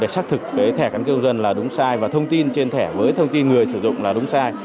xác thực cái thẻ căn cước công dân là đúng sai và thông tin trên thẻ với thông tin người sử dụng là đúng sai